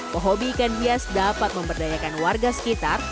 pehobi ikan hias dapat memberdayakan warga sekitar